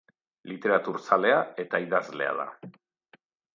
Literaturzalea eta idazlea da.